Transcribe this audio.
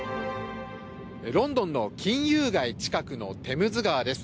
ロンドンの金融街近くのテムズ川です。